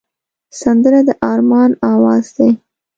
سندره د ارمان آواز دی